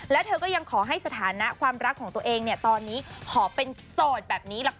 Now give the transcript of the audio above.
และเธอก็ยังขอให้สถานะความรักของตัวเองเนี่ยตอนนี้ขอเป็นโสดแบบนี้ละกัน